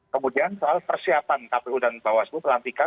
kemudian soal persiapan kpu dan bawaslu pelantikan